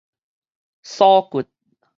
鎖骨